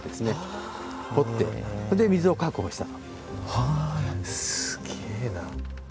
はあすげえな。